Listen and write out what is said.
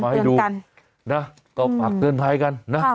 ขอมาให้ดูนะก็ปากเตือนท้ายกันนะ